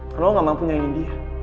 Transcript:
karena lo gak mampu nyayangin dia